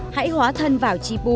hãy hóa thân vào chương trình